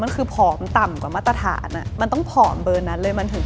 มันคือผอมต่ำกว่ามาตรฐาน